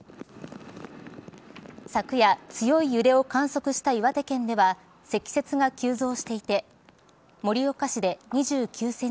昨夜強い揺れを観測した岩手県では積雪が急増していて盛岡市で２９ｃｍ